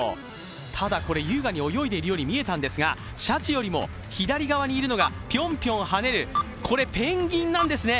ただこれ、優雅に泳いでいるように見えたんですがシャチよりも左側にいるのがピョンピョン跳ねる、これペンギンなんですね。